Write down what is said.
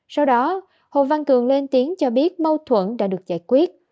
sau đó hồ văn cường lên tiếng cho biết mâu thuẫn đã được giải quyết